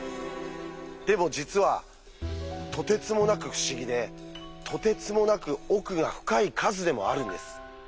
でも実はとてつもなく不思議でとてつもなく奥が深い数でもあるんです。